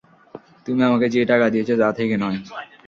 তুমি আমাকে যে টাকা দিয়েছ তা থেকে নয়।